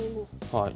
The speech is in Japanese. はい。